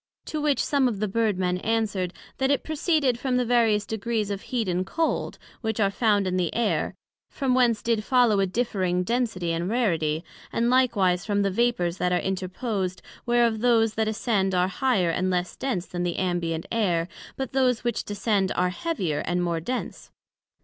To which some of the Bird men answered, That it proceeded from the various degrees of heat and cold, which are found in the Air, from whence did follow a differing density and rarity; and likewise from the vapours that are interposed, whereof those that ascend are higher and less dense then the ambient air, but those which descend are heavier and more dense.